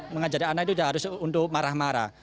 mengajari anak itu sudah harus untuk marah marah